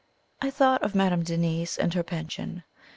I thought of Madame Denise and her Pension.